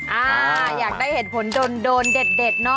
อ่าอยากได้เหตุผลโดนโดนเด็ดเนอะ